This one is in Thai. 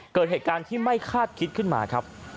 เกิดเหตุการณ์ที่ไม่คาดคิดขึ้นมาครับ